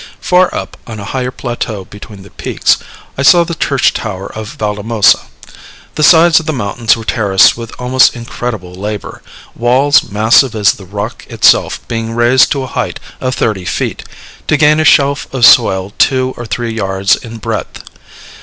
Far up, on a higher plateau between the peaks, I saw the church tower of Valdemosa. The sides of the mountains were terraced with almost incredible labor, walls massive as the rock itself being raised to a height of thirty feet, to gain a shelf of soil two or three yards in breadth.